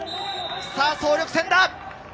総力戦だ。